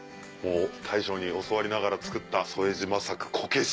大将に教わりながら作った副島作こけし。